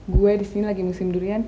gue disini lagi musim durian